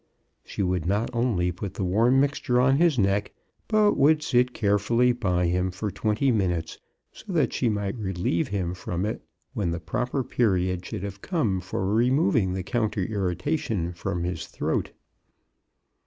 She would not only put the warm mixture on his neck, but would sit care 22 CHRISTMAS AT THOMPSON HALL. fully by him for twenty minutes, so that she might relieve him from it when the proper period should have come for removing the counter irritation from his throat.